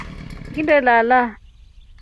Nginnelala.